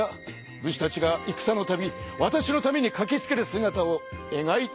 武士たちがいくさのたびわたしのためにかけつけるすがたをえがいたものだ。